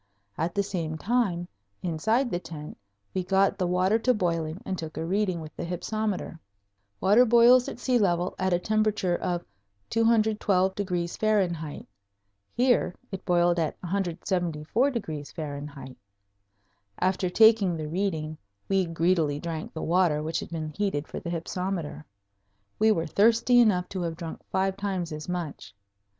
At the same time, inside the tent we got the water to boiling and took a reading with the hypsometer. Water boils at sea level at a temperature of 212° F. Here it boiled at 174° F. After taking the reading we greedily drank the water which had been heated for the hypsometer. We were thirsty enough to have drunk five times as much.